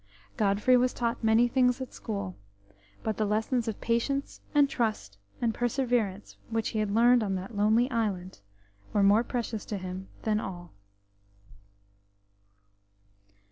Godfrey was taught many things at school, but the lessons of patience and trust and perseverance, which he had learnt on that lonely island, were more precious to him than all.